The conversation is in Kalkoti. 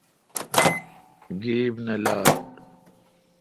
گیب نہ لات۔